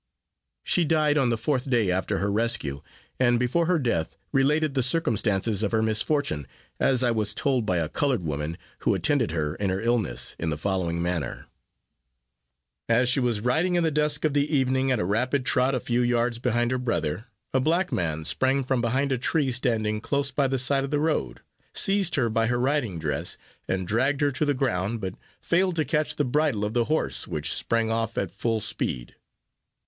She died on the fourth day after her rescue, and before her death related the circumstances of her misfortune, as I was told by a colored woman, who attended her in her illness, in the following manner: As she was riding in the dusk of the evening, at a rapid trot, a few yards behind her brother, a black man sprang from behind a tree standing close by the side of the road; seized her by her riding dress, and dragged her to the ground, but failed to catch the bridle of the horse, which sprang off at full speed.